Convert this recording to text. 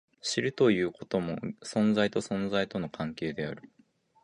知るということも、存在と存在との関係である。